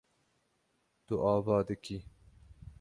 Tu ava dikî.